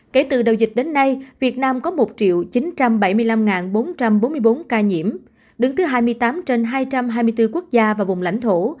kể từ đầu dịch đến nay việt nam có một chín trăm bảy mươi năm bốn trăm bốn mươi bốn ca nhiễm đứng thứ hai mươi tám trên hai trăm hai mươi bốn quốc gia và vùng lãnh thổ